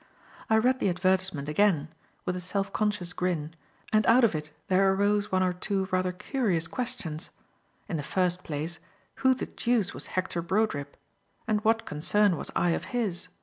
I read the advertisement again, with a self conscious grin, and out of it there arose one or two rather curious questions. In the first place, who the deuce was Hector Brodribb? And what concern was I of his?